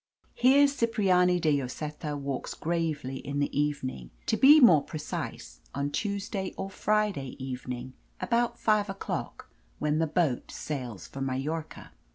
Here Cipriani de Lloseta walks gravely in the evening to be more precise, on Tuesday or Friday evening about five o'clock, when the boat sails for Majorca.